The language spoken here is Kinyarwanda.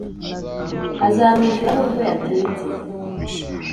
azamwishyura nubwo yatinze